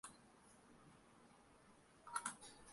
Está situado en el área oriental del municipio.